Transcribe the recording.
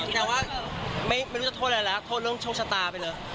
แต่ว่าไม่รู้จะโทษอะไรแล้วโทษเรื่องโชคชะตาไปเลย